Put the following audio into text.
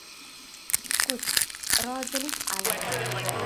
• Sukut — rozilik alomati.